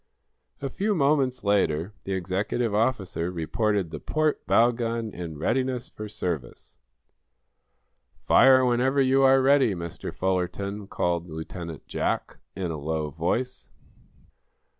A few moments later the executive officer reported the port bow gun in readiness for service. "Fire whenever you are ready, Mr. Fullerton," called Lieutenant Jack, in a low voice.